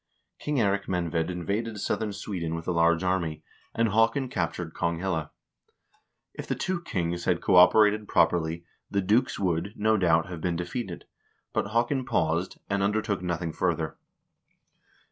King Eirik Menved invaded southern Sweden with a large army, and Haakon captured Konghelle. If the two kings had cooperated properly, the dukes would, no doubt, have been defeated, but Haakon paused, and under took nothing further.